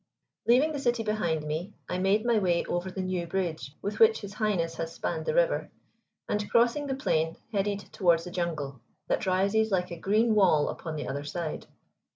Leaving the city behind me I made my way over the new bridge with which His Highness has spanned the river, and, crossing the plain, headed towards the jungle, that rises like a green wall upon the other side.